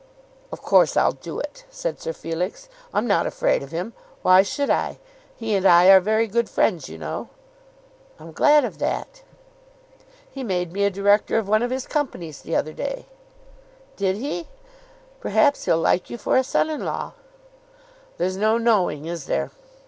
"Of course I'll do it," said Sir Felix. "I'm not afraid of him. Why should I? He and I are very good friends, you know." "I'm glad of that." "He made me a Director of one of his companies the other day." "Did he? Perhaps he'll like you for a son in law." "There's no knowing; is there?"